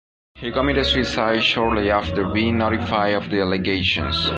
He committed suicide shortly after being notified of the allegations.